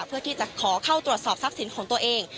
เพื่อที่จะขอเข้าตรวจสอบทรัพย์สินของตัวเอง